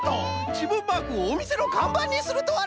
じぶんマークをおみせのかんばんにするとはな！